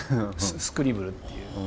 スクリブルっていう。